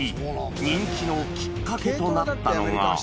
人気のきっかけとなったのが。